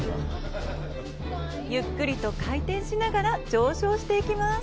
ゆっくりと回転しながら上昇していきます。